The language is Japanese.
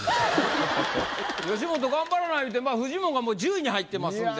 吉本頑張らな言うてフジモンがもう１０位に入ってますんで。